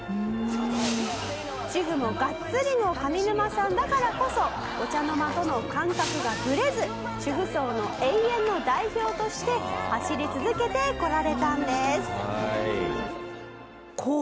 「主婦もガッツリの上沼さんだからこそお茶の間との感覚がブレず主婦層の永遠の代表として走り続けてこられたんです」